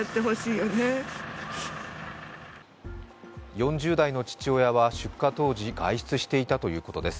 ４０代の父親は出火当時、外出していたということです。